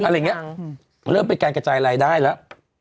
อะไรอย่างเงี้ยเริ่มไปแกนกระจายอะไรได้แล้ว